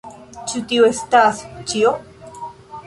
Ĉu tio estas ĉio?